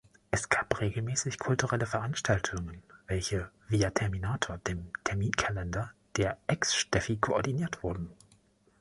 Es gab regelmäßig kulturelle Veranstaltungen, welche via „Terminator“, dem Terminkalender der „Ex-Steffi“, koordiniert wurden.